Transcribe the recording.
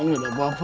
nggak ada apa apa